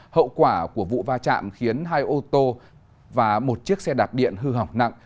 hậu quả của vụ va chạm khiến hai ô tô và một chiếc xe đạp điện hư hỏng nặng